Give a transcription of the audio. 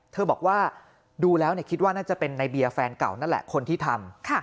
บอกว่าดูแล้วคิดว่าน่าจะเป็นในเบียร์แฟนเก่านั่นแหละคนที่ทำ